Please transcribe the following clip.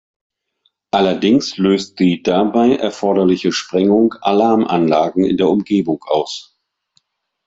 Allerdings löst die dabei erforderliche Sprengung Alarmanlagen in der Umgebung aus.